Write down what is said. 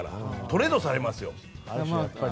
トレードされますよ。